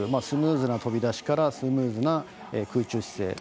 スムーズな飛び出しからスムーズな空中姿勢。